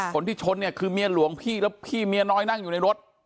คนที่ชนเนี่ยคือเมียหลวงพี่แล้วพี่เมียน้อยนั่งอยู่ในรถ